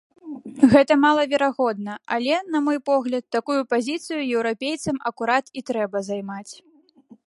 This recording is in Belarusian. Гэта малаверагодна, але, на мой погляд, такую пазіцыю еўрапейцам акурат і трэба займаць.